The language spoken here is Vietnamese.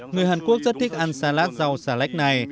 người hàn quốc rất thích ăn salat rau xà lách này